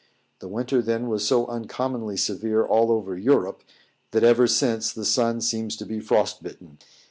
The winter was then so uncommonly severe all over Europe, that ever since the sun seems to be frost bitten.